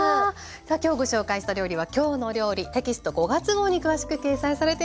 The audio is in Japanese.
さあ今日ご紹介した料理は「きょうの料理」テキスト５月号に詳しく掲載されています。